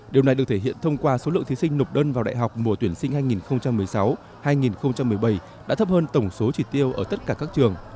điều này được thể hiện thông qua số lượng thí sinh nộp đơn vào đại học mùa tuyển sinh hai nghìn một mươi sáu hai nghìn một mươi bảy đã thấp hơn tổng số chỉ tiêu ở tất cả các trường